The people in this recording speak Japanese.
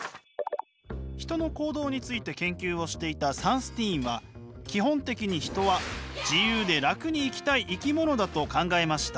人の行動について研究をしていたサンスティーンは基本的に人は自由で楽に生きたい生き物だと考えました。